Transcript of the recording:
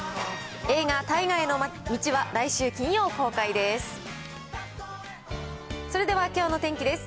映画、大河への道は、来週金曜、公開です。